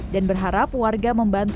dan berharap warga membaikinya